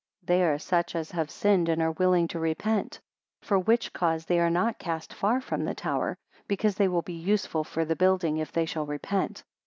59 They are such as have sinned and are willing to repent; for which cause they are not cast far from the tower, because they will be useful for the building, if they shall repent.